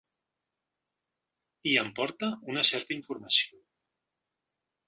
I em porta una certa informació.